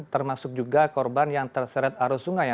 termasuk juga korban yang terseret arus sungai